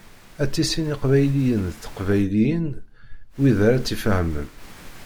Ad tissin iqbayliyen d teqbayliyin wid ara tt-ifehmen.